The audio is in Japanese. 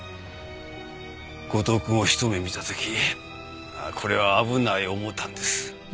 後藤くんをひと目見た時これは危ない思たんです。